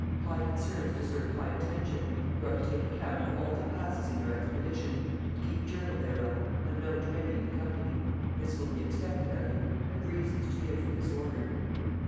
High concerns deserve high attention; you are to take account of all that passes in your expedition, and keep journal thereof, unknown to any in the company; this will be expected of you; I have reasons to give for this order.